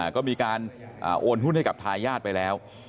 ก็มีการโอนหุ้นให้กับทายาทไปแล้ว